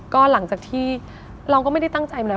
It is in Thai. ก็หลังจากที่เราก็ไม่ได้ตั้งใจมาเลย